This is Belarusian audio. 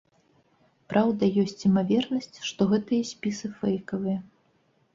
Праўда, ёсць імавернасць, што гэтыя спісы фэйкавыя.